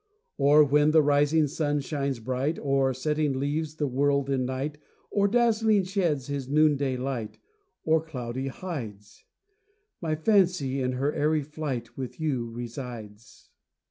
Or, when the rising sun shines bright, Or, setting, leaves the world in night, Or, dazzling, sheds his noon day light, Or, cloudy, hides, My fancy, in her airy flight, With you resides.